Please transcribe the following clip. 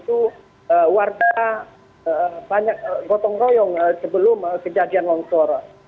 itu warga banyak gotong royong sebelum kejadian longsor